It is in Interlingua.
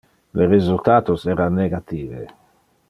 Le resultatos era negative.